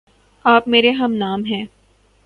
آپ میرے ہم نام ہےـ